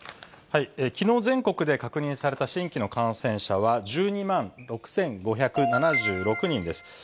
きのう、全国で確認された新規の感染者は、１２万６５７６人です。